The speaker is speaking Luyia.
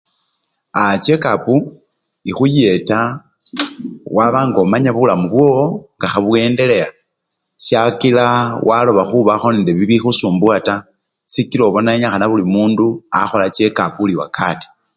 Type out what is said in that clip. Aa! chekapu ekhuyeta waba nga omanya bulamu bwowo nga khebu-endelea syakila waloba khubakho nende bibikhusumbuwa taa sikila obona syenikhana buli mundu akhola chekapu buli wakati.